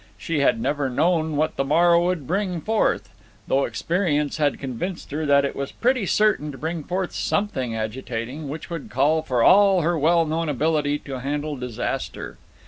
She had never known what the morrow might bring forth, though experience had convinced her that it was pretty certain to bring forth something agitating which would call for all her well known ability to handle disaster.